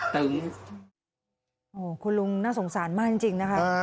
คุณลุงน่าสงสารมากจริงนะคะ